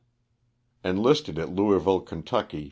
Enlisted at Louisville, Ky.